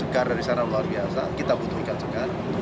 kita butuh ikan segar